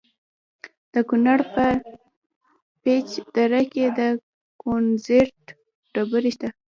د کونړ په پيچ دره کې د کونزیټ ډبرې شته.